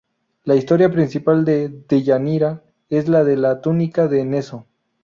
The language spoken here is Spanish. La historia principal de Deyanira es la de la túnica de Neso.